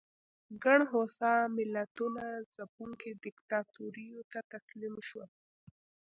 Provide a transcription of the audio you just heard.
ګڼ هوسا ملتونه ځپونکو دیکتاتوریو ته تسلیم شول.